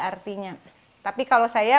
artinya tapi kalau saya